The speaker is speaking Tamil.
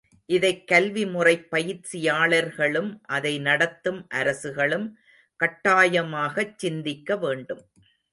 இதைக் கல்வி முறைப் பயிற்சியாளர்களும் அதை நடத்தும் அரசுகளும் கட்டாயமாகச் சிந்திக்க வேண்டும்.